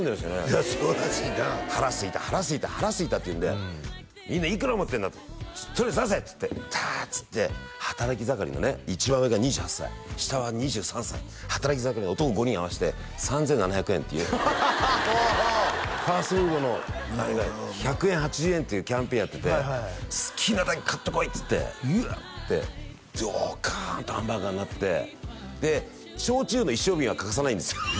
いやそうらしいな腹すいた腹すいた腹すいたって言うんでみんないくら持ってんだととりあえず出せっつってダーッつって働き盛りのね一番上が２８歳下は２３歳働き盛りの男５人合わせて３７００円っていうおおおおファストフードのあれが１００円８０円っていうキャンペーンやってて好きなだけ買ってこいっつってドカーンとハンバーガーなってで焼酎の一升瓶は欠かさないんですよ